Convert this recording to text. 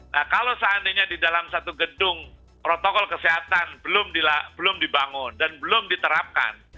nah kalau seandainya di dalam satu gedung protokol kesehatan belum dibangun dan belum diterapkan